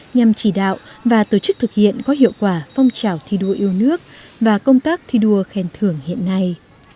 nhằm chỉ đạo và tổ chức thực hiện có hiệu quả phong trào thi đua yêu nước và công tác thi đua khen thưởng hiện nay